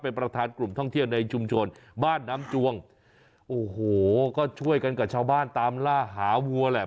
เป็นประธานกลุ่มท่องเที่ยวในชุมชนบ้านน้ำจวงโอ้โหก็ช่วยกันกับชาวบ้านตามล่าหาวัวแหละ